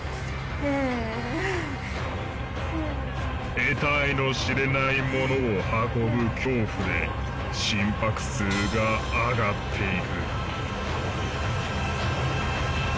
得体の知れないものを運ぶ恐怖で心拍数が上がっていく。